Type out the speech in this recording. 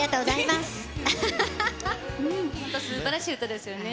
またすばらしい歌ですよね。